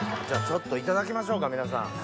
じゃあちょっといただきましょうか皆さん。